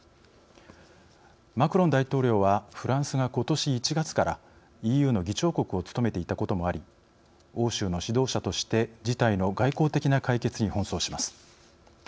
マクロン大統領は、フランスがことし１月からＥＵの議長国を務めていたこともあり欧州の指導者として事態の外交的な解決に奔走します。